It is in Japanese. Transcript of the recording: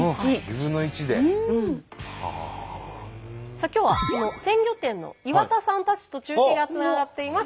さあ今日はその鮮魚店の岩田さんたちと中継がつながっています。